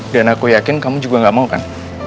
dan aku yakin kamu juga gak mau kan